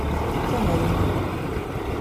cannelle